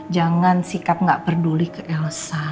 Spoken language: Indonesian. jangan sikap gak peduli ke elsa